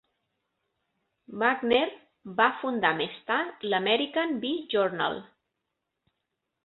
Wagner va fundar més tard l'"American Bee Journal".